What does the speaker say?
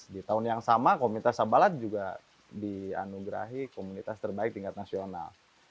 di tahun yang sama komunitas sabalat juga dianugerahi komunitas terbaik tingkat nasional